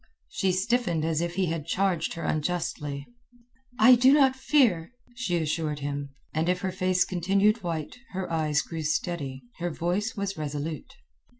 She stiffened as if he had charged her unjustly. "I do not fear," she assured him, and if her face continued white, her eyes grew steady, her voice was resolute.